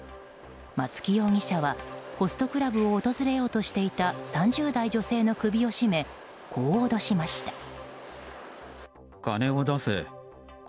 松木容疑者はホストクラブを訪れようとしていた３０代女性の首を絞めこう脅しました。